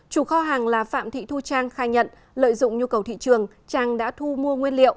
chủ kho hàng là phạm thị thu trang khai nhận lợi dụng nhu cầu thị trường trang đã thu mua nguyên liệu